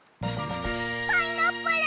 パイナップル！